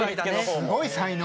すごい才能。